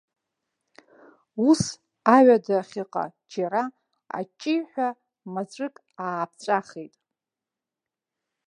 Ус, аҩадахьыҟа џьара аҷеҩҳәа маҵәык ааԥҵәахит.